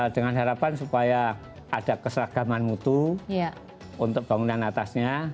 dengan harapan supaya ada keseragaman mutu untuk bangunan atasnya